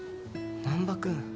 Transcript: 難破君。